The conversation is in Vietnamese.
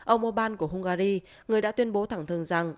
ông orbán của hungary người đã tuyên bố thẳng thường rằng